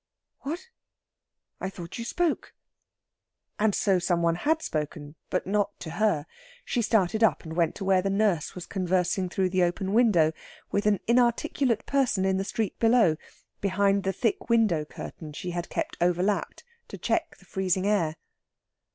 "What?... I thought you spoke...." And so some one had spoken, but not to her. She started up, and went to where the nurse was conversing through the open window with an inarticulate person in the street below, behind the thick window curtain she had kept overlapped, to check the freezing air.